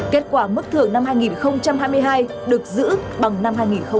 kết quả mức thưởng năm hai nghìn hai mươi hai được giữ bằng năm hai nghìn hai mươi hai